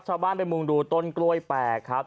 ชาวบ้านไปมุงดูต้นกล้วยแปลกครับ